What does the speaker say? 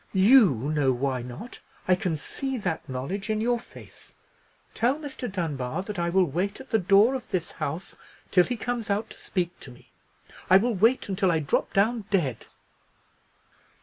"You know why not. I can see that knowledge in your face. Tell Mr. Dunbar that I will wait at the door of this house till he comes out to speak to me. I will wait until I drop down dead."